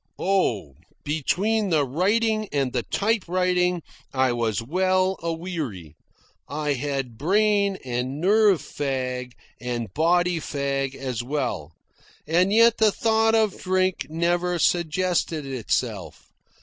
Oh, between the writing and the typewriting I was well a weary. I had brain and nerve fag, and body fag as well, and yet the thought of drink never suggested itself.